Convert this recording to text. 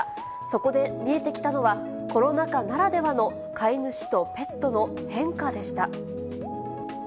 そこで見えてきたのは、コロナ禍ならではの飼い主とペットの変化でした。